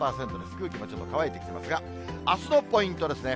空気もちょっと乾いてきてますが、あすのポイントですね。